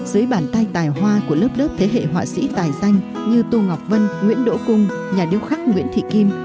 dưới bàn tay tài hoa của lớp lớp thế hệ họa sĩ tài danh như tô ngọc vân nguyễn đỗ cung nhà điêu khắc nguyễn thị kim